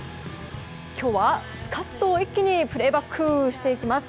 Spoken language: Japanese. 今日はスカッと一気にプレーバックします。